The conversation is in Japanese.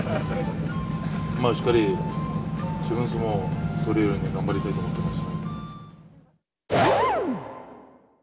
しっかり自分の相撲を取れるように頑張りたいと思ってます。